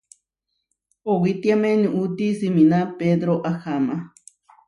Owítiame nuúti siminá Pedró aháma.